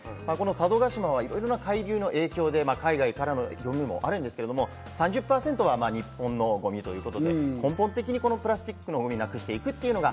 佐渡島はいろいろな海流の影響で海外からのゴミもあるんですけど、３０％が日本のゴミ、根本的にプラスチックのゴミをなくしていくというのが